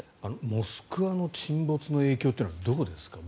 「モスクワ」の沈没の影響というのはどうですか。